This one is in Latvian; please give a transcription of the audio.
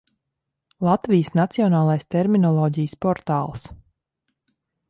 Latvijas Nacionālais terminoloģijas portāls